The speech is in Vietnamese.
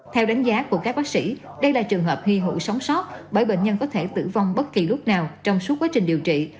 theo đánh giá của các bác sĩ đây là trường hợp hy hữu sống sót bởi bệnh nhân có thể tử vong bất kỳ lúc nào trong suốt quá trình điều trị